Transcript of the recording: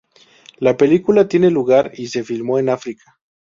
La película tiene lugar y se filmó en África.